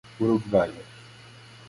urugvajo